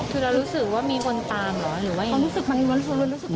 คุณรู้สึกว่ามีคนตามเหรอหรือว่ายัง